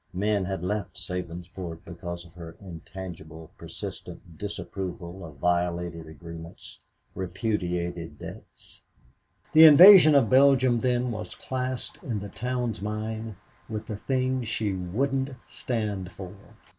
Men had left Sabinsport because of her intangible, persistent disapproval of violated agreements, repudiated debts. The invasion of Belgium, then, was classed in the town's mind with the things she wouldn't stand for.